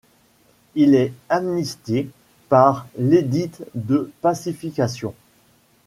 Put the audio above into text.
Il est amnistié par l'édit de pacification.